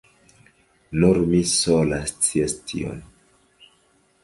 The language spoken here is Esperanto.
Nur mi sola scias tion.